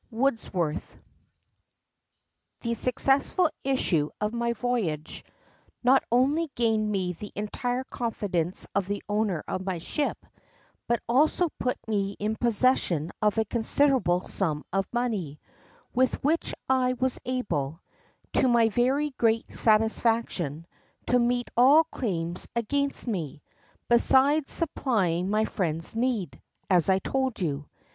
—WORDSWORTH. "The successful issue of my voyage not only gained me the entire confidence of the owner of my ship, but also put me in possession of a considerable sum of money, with which I was able, to my very great satisfaction, to meet all claims against me, besides supplying my friend's need, as I told you.